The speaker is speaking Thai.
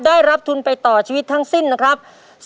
ได้รับทุนไปต่อชีวิตทั้งสิ้นนะครับ